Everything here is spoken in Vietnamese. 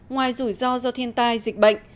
ngoài rủi ro do thiên tai dịch bệnh